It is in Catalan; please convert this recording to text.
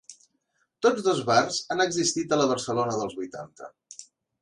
Tots dos bars han existit a la Barcelona dels vuitanta.